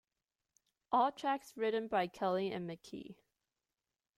All tracks written by Kelly and McKee.